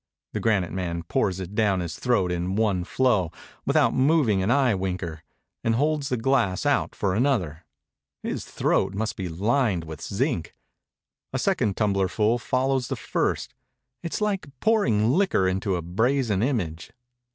The granite man pours it down his throat in one flow, without moving an eye winker, and holds the glass out for another. His throat must be lined with zinc. A second tumblerful follows the first. It is like pouring liquor into a brazen image.